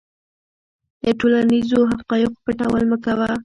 د ټولنیزو حقایقو پټول مه کوه.